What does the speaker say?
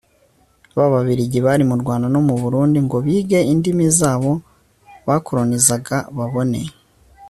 b'ababirigi bari mu rwanda no mu burundi ngo bige indimi z'abo bakoronizaga babone